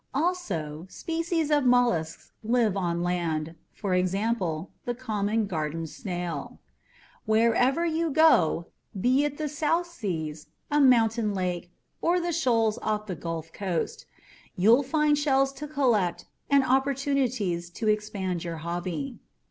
Also, species of mollusks live on land for example the common garden snail. Wherever you go, be it the South Seas, a mountain lake, or the shoals off the Gulf Coast, you'll find shells to collect and opportunities to expand your hobby.